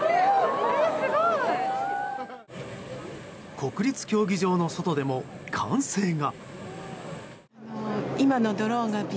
国立競技場の外でも歓声が。